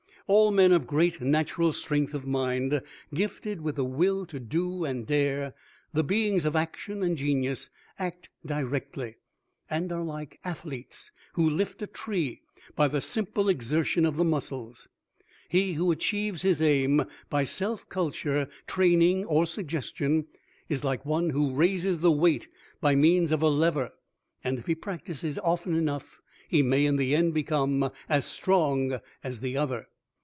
All men of great natural strength of mind, gifted with the will to do and dare, the beings of action and genius, act directly, and are like athletes who lift a tree by the simple exertion of the muscles. He who achieves his aim by self culture, training, or suggestion, is like one who raises the weight by means of a lever, and if he practice it often enough he may in the end become as strong as the other.